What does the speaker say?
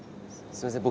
すみません